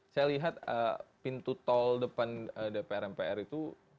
saya lihat pintu tol depan dpr mpr itu